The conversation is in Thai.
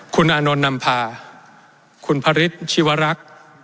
คุณอานนท์นำพาคุณพระฤทธิวรักษ์